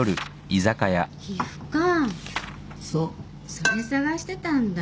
それ探してたんだ。